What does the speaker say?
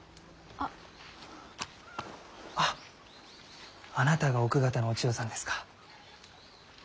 ああなたが奥方のお千代さんですか。